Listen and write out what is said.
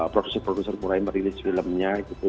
produser produser mulai merilis filmnya gitu